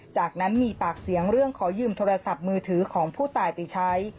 จากนั้นมีปากเสียงเรื่องขอยืมโทรศัพท์มือถือของผู้ตายไปใช้